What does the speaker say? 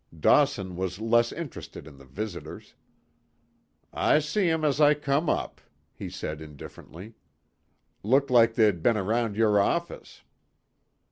Dawson was less interested in the visitors. "I see 'em as I come up," he said indifferently. "Looked like they'd been around your office."